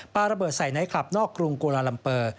ป้าระเบิดใส่ในคลับนอกกรุงกลลาลำเปอร์